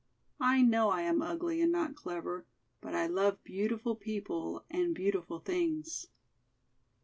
I know I am ugly and not clever, but I love beautiful people and, beautiful things."